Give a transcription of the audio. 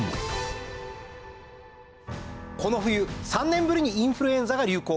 この冬３年ぶりにインフルエンザが流行。